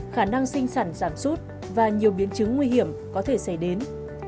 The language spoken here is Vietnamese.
khả năng sinh sản giảm sút và nhiều biến chứng nguy hiểm có thể xảy đến